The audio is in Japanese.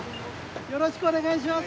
よろしくお願いします。